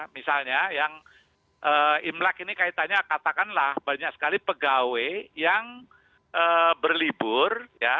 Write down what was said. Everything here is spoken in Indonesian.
misalnya yang imlek ini kaitannya katakanlah banyak sekali pegawai yang berlibur